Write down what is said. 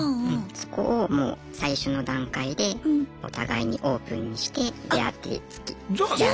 そこをもう最初の段階でお互いにオープンにして出会ってつきあっているので。